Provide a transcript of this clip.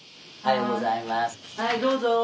はいどうぞ。